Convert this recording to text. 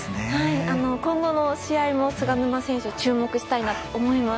今後の試合も菅沼選手に注目したいなと思います。